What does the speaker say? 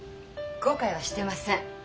後悔はしてません。